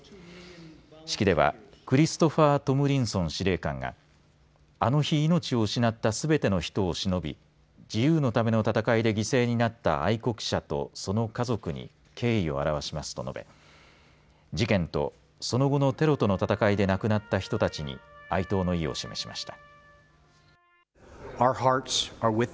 式ではクリストファー・トムリンソン司令官があの日、命を失ったすべての人をしのび自由のための戦いで犠牲になった愛国者とその家族に敬意を表しますと述べ事件と、その後のテロとの戦いで亡くなった人たちに哀悼の意を示しました。